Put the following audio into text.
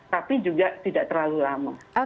tapi juga tidak terlalu lama